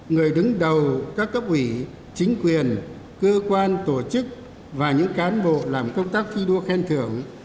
người đứng đầu các cấp ủy chính quyền cơ quan tổ chức và những cán bộ làm công tác thi đua khen thưởng